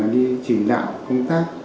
đi chỉnh đạo công tác